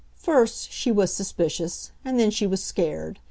First, she was suspicious, and then she was scared.